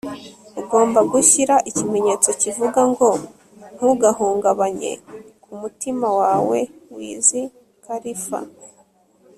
ugomba gushyira ikimenyetso kivuga ngo ntugahungabanye ku mutima wawe - wiz khalifa